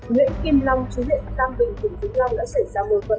nguyễn kim long chú liện tâm bình thủ tướng long đã xảy ra mối phận